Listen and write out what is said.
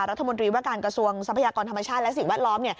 รัฐมนตรีว่าการกระทรวงทรัพยากรธรรมชาติและสิ่งแวดล้อม